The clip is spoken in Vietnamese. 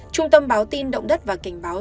trung tâm báo tin động đất và cảnh báo